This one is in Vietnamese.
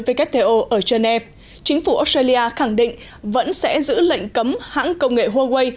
wto ở geneva chính phủ australia khẳng định vẫn sẽ giữ lệnh cấm hãng công nghệ huawei